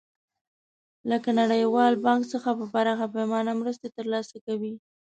لکه نړیوال بانک څخه په پراخه پیمانه مرستې تر لاسه کوي.